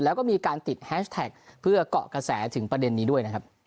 และมีการติดแฮชแท็กเพื่อก่อกระแสถึงประเด็นนี้ด้วย